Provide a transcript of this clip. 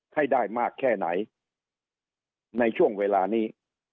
ให้ได้มากแค่ไหนในช่วงเวลานี้